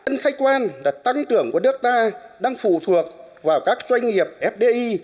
nên khách quan là tăng trưởng của nước ta đang phụ thuộc vào các doanh nghiệp fdi